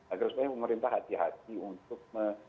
agar supaya pemerintah hati hati untuk